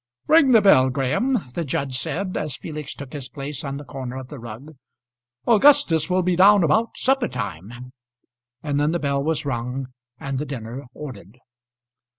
"Ring the bell, Graham," the judge said, as Felix took his place on the corner of the rug. "Augustus will be down about supper time." And then the bell was rung and the dinner ordered.